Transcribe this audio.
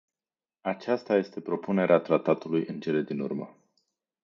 Aceasta este propunerea tratatului în cele din urmă.